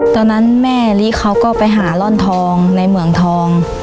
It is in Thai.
ตอนนั้นแม่ลิเขาก็ไปหาร่อนทองในเหมืองทอง